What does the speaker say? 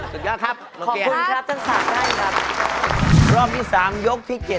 สุดยอดครับโนเกีย